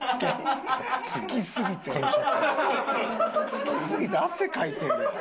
好きすぎて汗かいてるやん。